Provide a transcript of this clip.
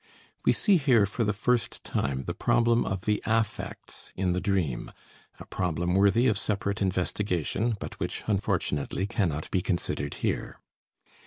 We see here, for the first time, the problem of the affects in the dream, a problem worthy of separate investigation, but which unfortunately cannot be considered here.